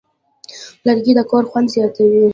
لرګی د کور خوند زیاتوي.